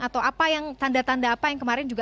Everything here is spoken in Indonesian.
atau apa yang tanda tanda apa yang kemarin juga